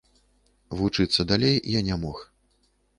Вучыцца далей я не мог.